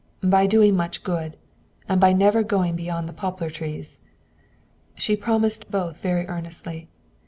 "By doing much good. And by never going beyond the poplar trees." She promised both very earnestly.